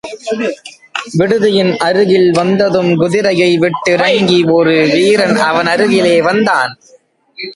விடுதியின் அருகில் வந்ததும் குதிரையைவிட்டு இறங்கி, ஒரு வீரன் அவன் அருகிலே வந்தான்.